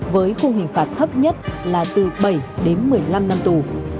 với khung hình phạt thấp nhất là từ bảy đến một mươi năm năm tù